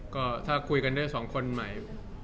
ก็ถ้าคุยกันได้สองคนใหม่